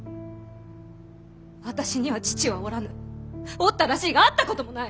私には父はおらぬおったらしいが会ったこともない！